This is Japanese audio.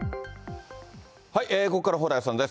ここからは蓬莱さんです。